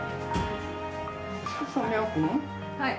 はい。